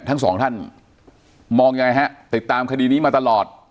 ทั้งสองท่านมองยังไงฮะติดตามคดีนี้มาตลอด